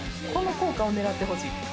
この効果をねらってほしい。